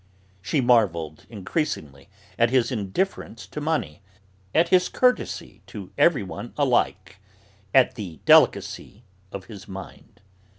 She marvelled increasingly at his indifference to money, at his courtesy to everyone alike, at the delicacy of his mind.